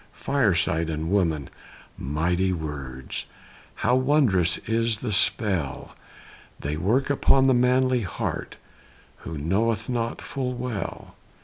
Fireside and woman mighty words! How wondrous is the spell They work upon the manly heart, Who knoweth not full well?